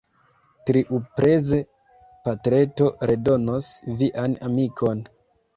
Tiupreze, patreto redonos vian amikon.